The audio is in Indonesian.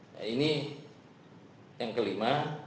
nah ini yang kelima